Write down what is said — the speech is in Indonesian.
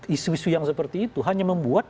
isu isu yang seperti itu hanya membuat